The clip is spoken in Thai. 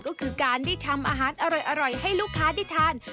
ก็คือการได้ทำอาหารอร่อยให้ลูกค้าได้ทาน